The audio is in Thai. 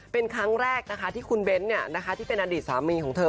เป็นครั้งแรกนะคะที่คุณเบ้นที่เป็นอดีตสามีของเธอ